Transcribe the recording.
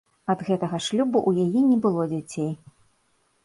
Ад гэтага шлюбу ў яе не было дзяцей.